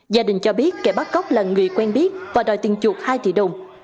gia đình cho biết kẻ bắt cóc là người quen biết và đòi tiền chuột hai tỷ đồng